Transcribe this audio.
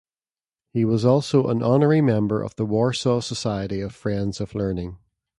He was also an honorary member of the Warsaw Society of Friends of Learning.